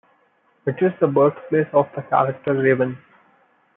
It is the birthplace of the character Raven.